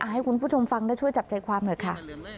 ให้คุณผู้ชมฟังและช่วยจับใจความหน่อยค่ะ